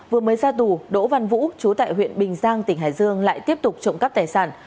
vừa mới ra tù đỗ văn vũ chú tại huyện bình giang tỉnh hải dương lại tiếp tục trộm cắp tài sản